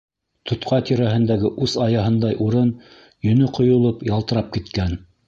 Тотҡа тирәһендәге ус аяһындай урын, йөнө ҡойолоп, ялтырап киткән.